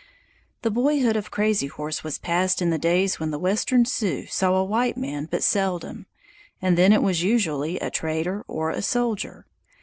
The boyhood of Crazy Horse was passed in the days when the western Sioux saw a white man but seldom, and then it was usually a trader or a soldier.